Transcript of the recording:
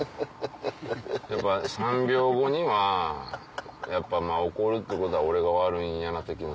やっぱ３秒後にはやっぱまぁ怒るってことは俺が悪いんやな的な。